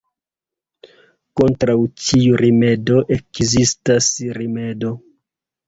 Kontraŭ ĉiu rimedo ekzistas rimedo.